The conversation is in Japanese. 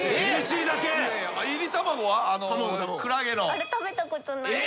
あれ食べたことないです。